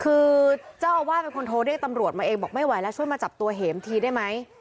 คือเจ้าอาวาสเป็นคนโทรเรียกตำรวจมาเองบอกไม่ไหวแล้วช่วยมาจับตัวเห็มทีได้ไหม